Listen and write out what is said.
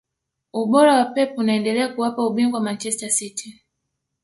ubora wa pep unaendelea kuwapa ubingwa manchester city